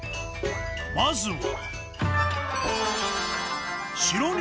まずは。